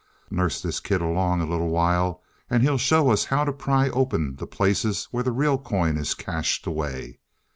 Nurse this kid along a little while, and he'll show us how to pry open the places where the real coin is cached away.